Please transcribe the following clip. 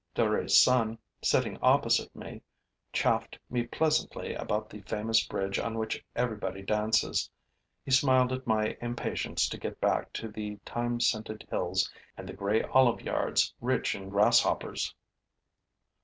Duruy's son, sitting opposite me, chaffed me pleasantly about the famous bridge on which everybody dances; he smiled at my impatience to get back to the thyme scented hills and the gray olive yards rich in Grasshoppers.